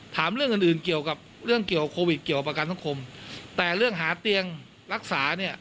ถามเรื่องอื่นอื่นเกี่ยวกับเรื่องเกี่ยวโควิดเกี่ยวกับประกันสังคมแต่เรื่องหาเตียงรักษาเนี่ย